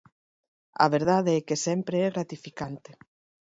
A verdade é que sempre é gratificante.